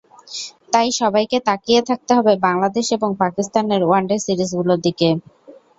তাই সবাইকে তাকিয়ে থাকতে হবে বাংলাদেশ এবং পাকিস্তানের ওয়ানডে সিরিজগুলোর দিকে।